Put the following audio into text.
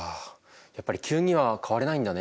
やっぱり急には変われないんだね。